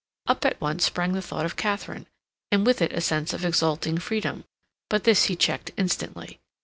Up at once sprang the thought of Katharine, and with it a sense of exulting freedom, but this he checked instantly.